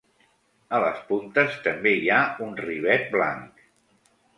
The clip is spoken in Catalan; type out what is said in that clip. A les puntes també hi ha un rivet blanc.